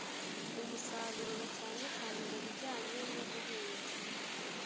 umusaruro cyane cyane mu bijyanye n ubuhinzi